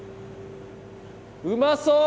うまそう！